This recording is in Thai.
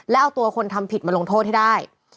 แล้วเอาตัวคนทำผิดมาลงโทษให้ได้